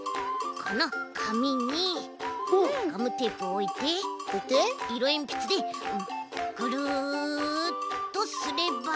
このかみにガムテープをおいていろえんぴつでぐるっとすれば。